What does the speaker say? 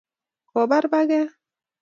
Kobar paket